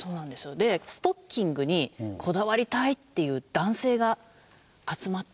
でストッキングにこだわりたいっていう男性が集まってくださっています。